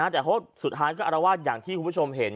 แต่สุดท้ายก็อารวาสอย่างที่คุณผู้ชมเห็น